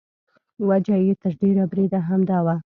وجه یې تر ډېره بریده همدا وه.